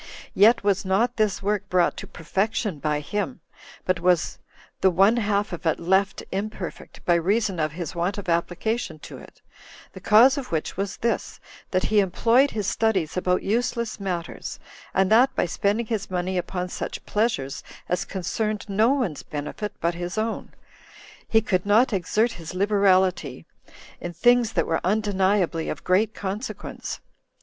Yet was not this work brought to perfection by him, but was the one half of it left imperfect, by reason of his want of application to it; the cause of which was this, that he employed his studies about useless matters, and that by spending his money upon such pleasures as concerned no one's benefit but his own, he could not exert his liberality in things that were undeniably of great consequence.